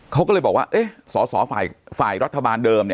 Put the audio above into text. เขาก็เลยบอกว่าสอสอฝ่ายรัฐบาลเดิม